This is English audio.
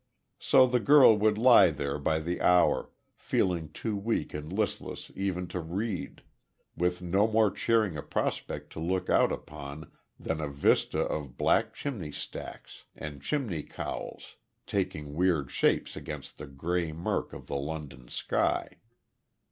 So the girl would lie there by the hour, feeling too weak and listless even to read, with no more cheering a prospect to look out upon than a vista of black chimney stacks and chimney cowls, taking weird shapes against the grey murk of the London sky.